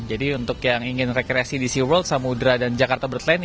jadi untuk yang ingin rekreasi di seaworld samudera dan jakarta bertlain